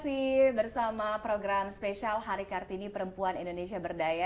masih bersama program spesial hari kartini perempuan indonesia berdaya